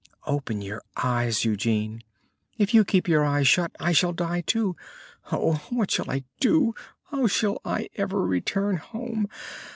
Open your eyes, Eugene. If you keep your eyes shut I shall die, too. Oh! what shall I do? how shall I ever return home?